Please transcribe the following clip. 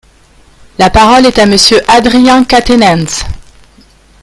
La parole est à Monsieur Adrien Quatennens.